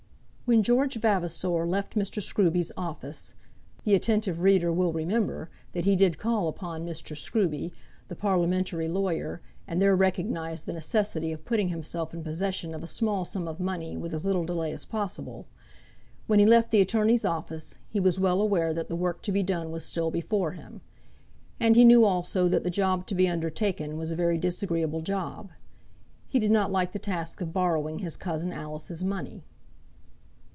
When George Vavasor left Mr. Scruby's office the attentive reader will remember that he did call upon Mr. Scruby, the Parliamentary lawyer, and there recognised the necessity of putting himself in possession of a small sum of money with as little delay as possible; when he left the attorney's office, he was well aware that the work to be done was still before him. And he knew also that the job to be undertaken was a very disagreeable job. He did not like the task of borrowing his cousin Alice's money.